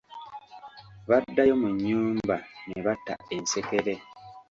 Baddayo mu nnyumba ne batta ensekere.